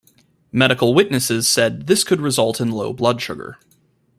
Medical witnesses said this could result in low blood sugar.